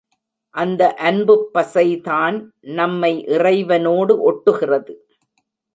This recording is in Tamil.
அந்த அன்புப் பசைதான் நம்மை இறைவனோடு ஒட்டுகிறது.